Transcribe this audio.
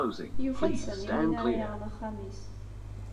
Yufa-d Sami win ara yaɣen axxam-is.